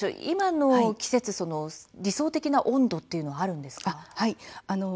今の季節、理想的な温度というのはあるんでしょうか。